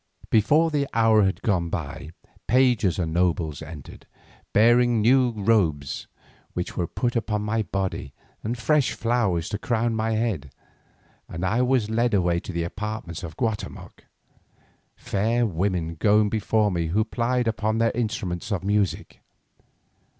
Before the hour had gone by, pages and nobles entered, bearing new robes which were put upon my body and fresh flowers to crown my head, and I was led away to the apartments of Guatemoc, fair women going before me who played upon instruments of music.